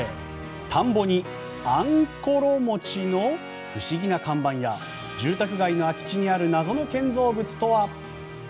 田んぼにあんころ餅の不思議な看板や住宅街の空き地にある謎の建造物とは。